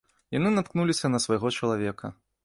Яны наткнуліся на свайго чалавека.